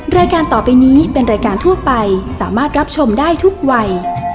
รายการต่อไปนี้เป็นรายการทั่วไปสามารถรับชมได้ทุกวัย